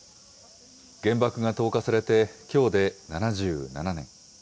原爆が投下されて、きょうで７７年。